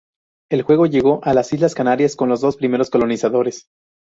El juego llegó a las islas canarias con los primeros colonizadores.